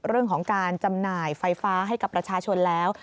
เรื่องของการจำหน่ายไฟฟ้าให้กับประชาชนแล้ว